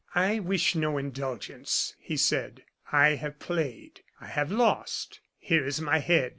"I wish no indulgence," he said. "I have played, I have lost; here is my head.